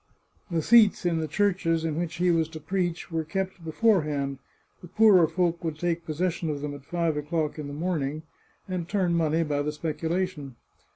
The seats in the churches in which he was to preach were kept beforehand ; the poorer folk would take possession of them at five o'clock in the morning, and turn money by the speculation.